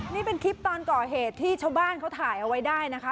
นี่เป็นคลิปตอนก่อเหตุที่ชาวบ้านเขาถ่ายเอาไว้ได้นะคะ